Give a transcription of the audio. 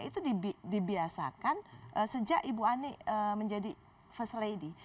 itu dibiasakan sejak ibu ani menjadi first lady